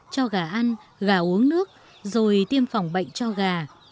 cho gà ăn gà uống nước rồi tiêm phòng bệnh cho gà